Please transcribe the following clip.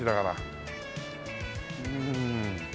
うん。